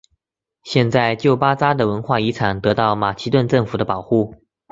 现在旧巴扎的文化遗产得到马其顿政府的保护。